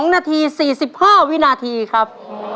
๒นาที๔๕วินาทีครับ